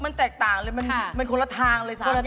แต่มันแตกต่างกันเลยนะไม่ว่าจะขนาดแพ็กเกจหรือว่ารสชาติแตกต่างกันหมด